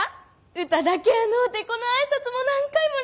歌だけやのうてこの挨拶も何回も練習したんです！